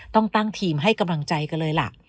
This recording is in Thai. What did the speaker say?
ต้องตั้งทีมให้กำลังใจกันเลยล่ะ